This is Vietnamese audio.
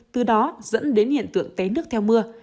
từ đó dẫn đến hiện tượng té nước theo mưa